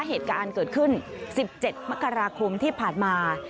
เหตุการณ์เกิดขึ้น๑๗มกราคมที่ผ่านมา